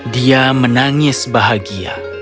dia menangis bahagia